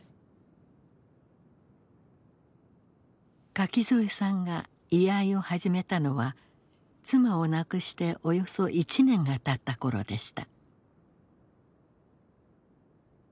垣添さんが居合を始めたのは妻を亡くしておよそ１年がたった頃でした。